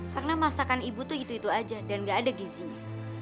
karena masakan ibu itu itu aja dan gak ada gizinya